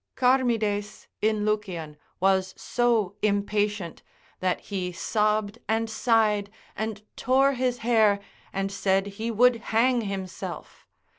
Charmides, in Lucian, was so impatient, that he sobbed and sighed, and tore his hair, and said he would hang himself.